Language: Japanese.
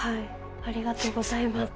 ありがとうございます。